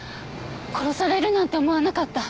殺されるなんて思わなかった。